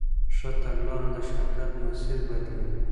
ښه تګلاره د شرکت مسیر بدلوي.